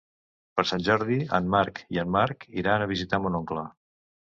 Per Sant Jordi en Marc i en Marc iran a visitar mon oncle.